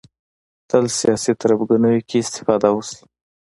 تل سیاسي تربګنیو کې استفاده وشي